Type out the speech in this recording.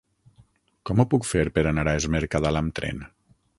Com ho puc fer per anar a Es Mercadal amb tren?